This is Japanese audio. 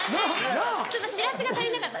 ちょっとシラスが足りなかった。